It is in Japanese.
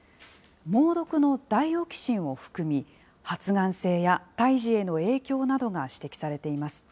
猛毒のダイオキシンを含み、発がん性や胎児への影響などが指摘されています。